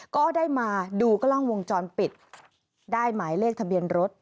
ก็ได้มาดูกล้องวงจรปิดได้หมายเลขทะเบียนรถ